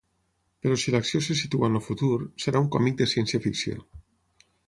Però si l'acció se situa en el futur, serà un còmic de ciència-ficció.